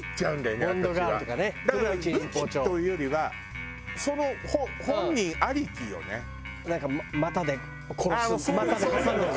だから武器というよりはその本人ありきよね。なんか股で殺す股で挟んで殺す。